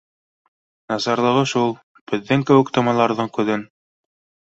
— Насарлығы шул: беҙҙең кеүек томаналарҙың күҙен